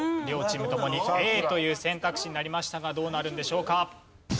両チームともにＡという選択肢になりましたがどうなるんでしょうか？